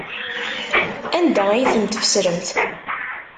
Anda ay tent-tfesremt?